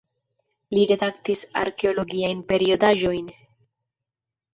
Li redaktis arkeologiajn periodaĵojn.